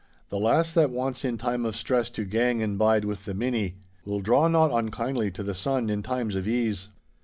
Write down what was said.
'The lass that wants in time of stress to gang and bide with the minnie, will draw not unkindly to the son in times of ease.